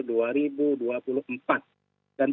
dan tidak ada yang menyebabkan itu